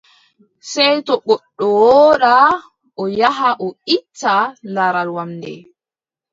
Sey to goɗɗo woodaa, o yaha o itta laral wamnde.